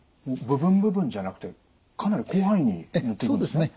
部分部分じゃなくてかなり広範囲に塗っていくんですね。